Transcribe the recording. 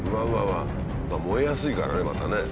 燃えやすいからねまたね。